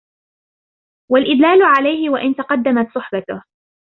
وَالْإِدْلَالَ عَلَيْهِ وَإِنْ تَقَدَّمَتْ صُحْبَتُهُ